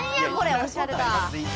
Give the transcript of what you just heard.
おしゃれだ。